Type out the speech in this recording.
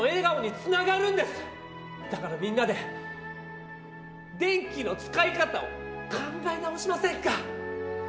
だからみんなで電気の使い方を考え直しませんか？